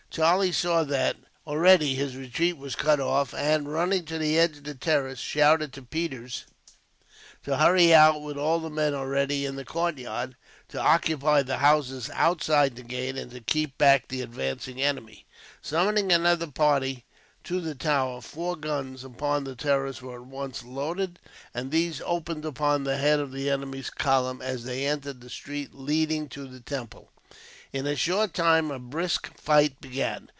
Charlie saw that, already, his retreat was cut off; and, running to the edge of the terrace, shouted to Peters to hurry out with all the men already in the courtyard, to occupy the houses outside the gate, and to keep back the advancing enemy. Summoning another party to the tower, four guns upon the terrace were at once loaded, and these opened upon the head of the enemy's column, as they entered the street leading to the temple. In a short time, a brisk fight began.